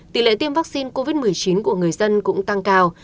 tỷ lệ tiêm vaccine covid một mươi chín của người dân cũng tăng cao